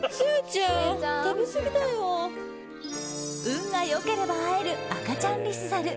運が良ければ会える赤ちゃんリスザル。